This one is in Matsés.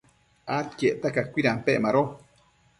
adquiecta cacuidampec mado